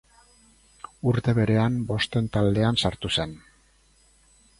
Urte berean Bosten Taldean sartu zen.